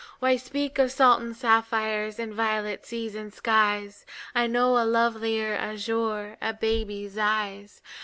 Why speak of Sultan sapphires And violet seas and skies? I know a lovelier azure A baby's eyes.